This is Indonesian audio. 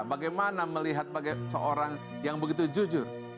bagaimana melihat seorang yang begitu jujur